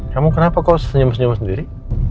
kamu kenapa kau senyum senyum sendiri